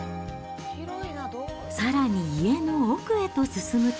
さらに家の奥へと進むと。